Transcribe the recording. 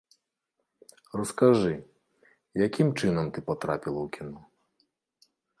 Раскажы, якім чынам ты патрапіла ў кіно?